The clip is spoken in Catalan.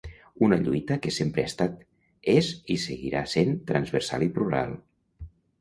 Una lluita que sempre ha estat, és i seguira sent transversal i plural.